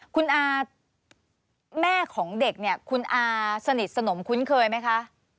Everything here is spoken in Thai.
คุณอาแม่ของเด็กเนี่ยคุณอาสนิทสนมคุ้นเคยไหมคะ